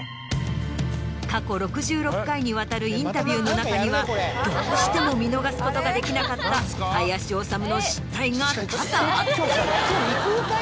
過去６６回にわたるインタビューの中にはどうしても見逃すことができなかった林修の失態が多々あった。